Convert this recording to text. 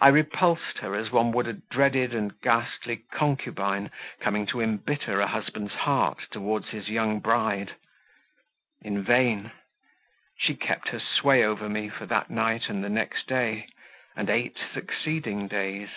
I repulsed her as one would a dreaded and ghastly concubine coming to embitter a husband's heart toward his young bride; in vain; she kept her sway over me for that night and the next day, and eight succeeding days.